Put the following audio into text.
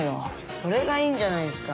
それがいいんじゃないですか。